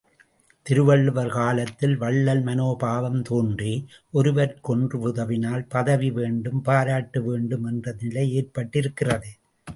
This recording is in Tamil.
திருவள்ளுவர் காலத்தில் வள்ளல் மனோபாவம் தோன்றி, ஒருவர்க்கு ஒன்று உதவினால் பதவிவேண்டும் பாராட்டு வேண்டும் என்ற நிலை ஏற்பட்டிருக்கிறது.